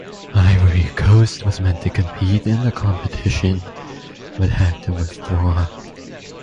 Ivory Coast was meant to compete in the competition but had to withdraw.